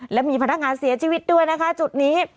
และมีพนักงานเสียชีวิตด้วยนะคะจุดนี้